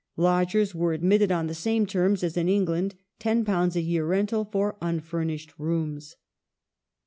Lodgers were admitted on the same terms as in England — £10 a year rental for unfurnished rooms.